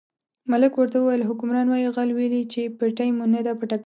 ملک ورته وویل حکمران وایي غل ویلي چې پېټۍ مو نه ده پټه کړې.